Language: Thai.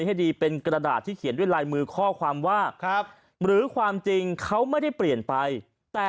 โหลงวันที่๑๓มกาศ๒๕๖๔จากหมอปลา